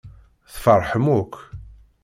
Tfeṛḥem akk.